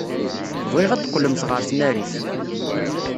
Bɣiɣ ad d-teqqlemt ɣer tnarit.